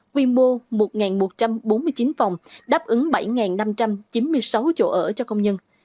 quy mô một một trăm bốn mươi chín phòng đáp ứng bảy năm trăm chín mươi sáu chỗ ở cho công nhân